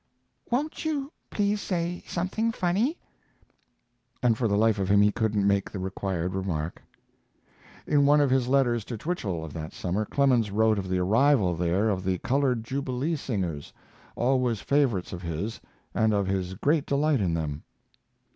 "Won't you please say something funny?" And for the life of him he couldn't make the required remark. In one of his letters to Twichell of that summer, Clemens wrote of the arrival there of the colored jubilee singers, always favorites of his, and of his great delight in them.